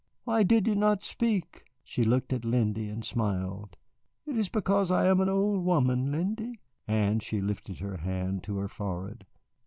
Why did you not speak?" She looked at Lindy and smiled. "It is because I am an old woman, Lindy," and she lifted her hand to her forehead.